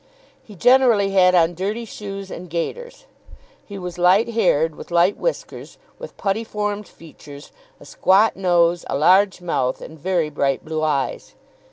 He generally had on dirty shoes and gaiters. He was light haired, with light whiskers, with putty formed features, a squat nose, a large mouth, and very bright blue eyes.